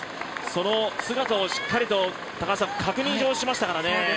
その姿をしっかりと確認をしましたからね。